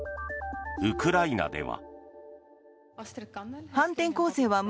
ウクライナでは。